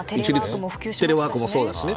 テレワークもそうだしね。